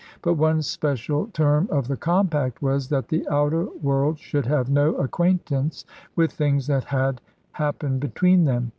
But one special term of the compact was that the outer world should have no acquaintance with things that happened between them.